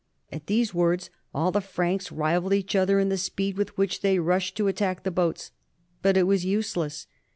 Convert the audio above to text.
At these words all the Franks rivalled each other in the speed with which they rushed to attack the boats. But it was useless.